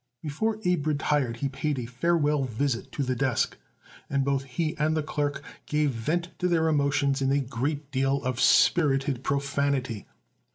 Before Abe retired he paid a farewell visit to the desk, and both he and the clerk gave vent to their emotions in a great deal of spirited profanity.